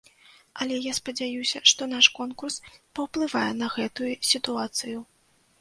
Але я спадзяюся, што наш конкурс паўплывае на гэтую сітуацыю.